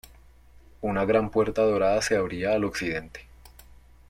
Una Gran Puerta Dorada se abría al Occidente.